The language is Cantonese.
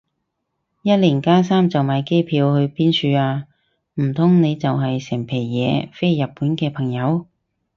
一零加三就買機票去邊處啊？唔通你就係成皮嘢飛日本嘅朋友